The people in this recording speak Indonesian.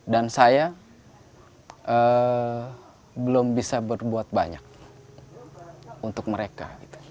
dan saya belum bisa berbuat banyak untuk mereka